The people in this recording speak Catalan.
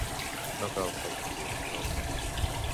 No cal, Fabrizio, no.